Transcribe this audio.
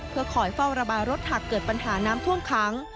เพื่อคอยเฝ้าระบายรถหากเกิดปัญหาน้ำท่วมขัง